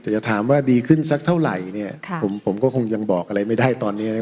จะถามว่าดีขึ้นสักเท่าไหร่เนี่ยค่ะผมผมก็คงยังบอกอะไรไม่ได้ตอนนี้นะครับ